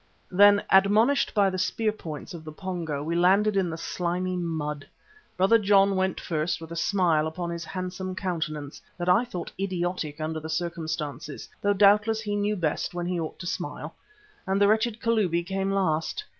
Then, admonished by the spear points of the Pongo, we landed in the slimy mud. Brother John went first with a smile upon his handsome countenance that I thought idiotic under the circumstances, though doubtless he knew best when he ought to smile, and the wretched Kalubi came last.